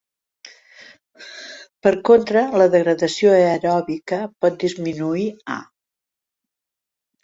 Per contra, la degradació aeròbica pot disminuir A.